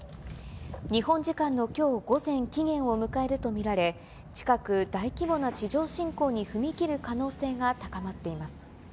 日本時間のきょう午前、期限を迎えると見られ、近く大規模な地上侵攻に踏み切る可能性が高まっています。